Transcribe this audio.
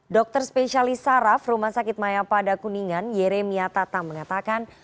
dokter spesialis saraf rumah sakit mayapada kuningan yeremia tata mengatakan